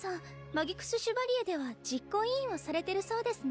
マギクス・シュバリエでは実行委員をされてるそうですね